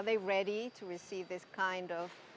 apakah mereka siap